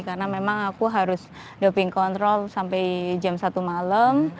karena memang aku harus doping kontrol sampai jam satu malam